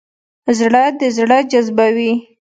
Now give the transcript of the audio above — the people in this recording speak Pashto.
زړه د زړه جذبوي.